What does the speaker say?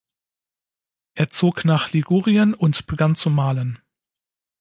Er zog nach Ligurien und begann zu malen.